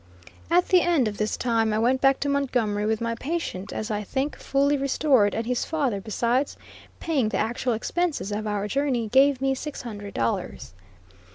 At the end of this time I went back to Montgomery with my patient, as I think, fully restored, and his father, besides, paying the actual expenses of our journey, gave me six hundred dollars.